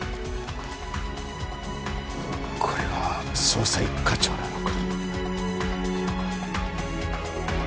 これが捜査一課長なのか。